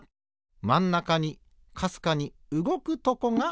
まんなかにかすかにうごくとこがある。